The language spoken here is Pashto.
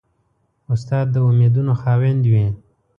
استاد د امیدونو خاوند وي.